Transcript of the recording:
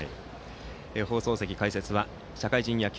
放送席、解説は社会人野球